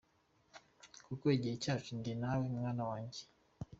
Kuko igihe cyacu njye nawe mwana wanjye.